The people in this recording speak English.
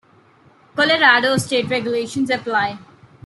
Colorado state regulations apply.